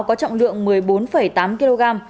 nó có trọng lượng một mươi bốn tám kg